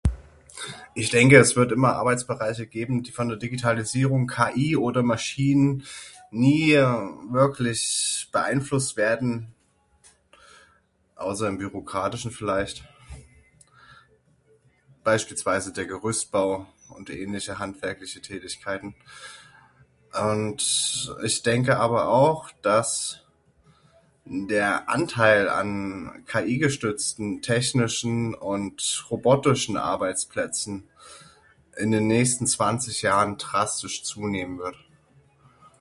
Ich denke es wird immer Arbeitsbereiche geben die von der Digitalisierung KI oder Maschinen nie wirklich beeinflusst werden, außer im Bürokratischen vielleicht, beispielsweise der Gerüstbau und ähnliche handwerkliche Tätigkeiten. Und ich denke aber auch, dass der Anteil an KI gestützten, technischen und robotischen Arbeitsplätzen in den nächsten zwanzig Jahren drastisch zunehmen wird.